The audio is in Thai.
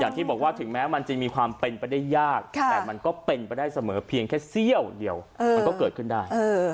อย่างที่บอกว่าถึงแม้มันจะมีความเป็นไปได้ยากแต่มันก็เป็นไปได้เสมอเพียงแค่เสี้ยวเดียวมันก็เกิดขึ้นได้